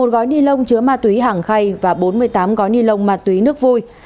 một gói ni lông chứa ma túy hàng khay và bốn mươi tám gói ni lông ma túy nước vui